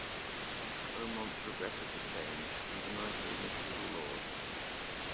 Beaumont regretted the change and denied being a feudal lord.